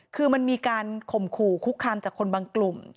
คือมันมีการข่มขู่คุกคามจากคนบางกลุ่ม